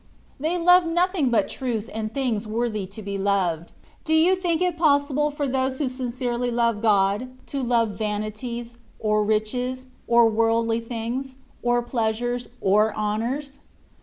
They love nothing but truth and things worthy to be loved. Do you think it possible for those who sincerely love God, to love vanities, or riches, or worldly things, or pleasures, or honours